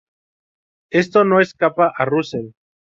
Esto no escapa a Russell.